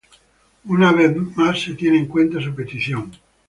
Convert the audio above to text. Una vez más se tiene en cuenta su petición.